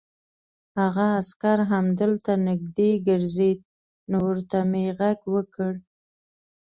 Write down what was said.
هغه عسکر همدلته نږدې ګرځېد، نو ورته مې غږ وکړ.